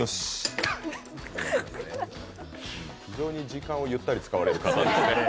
非常に時間をゆったり使われる方ですね。